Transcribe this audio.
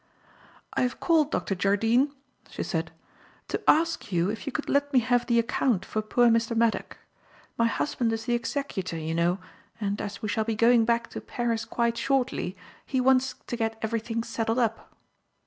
"I have called, Dr. Jardine." she said, "to ask you if you could let me have the account for poor Mr. Maddock. My husband is the executor, you know, and, as we shall be going back to Paris quite shortly, he wants to get everything settled up."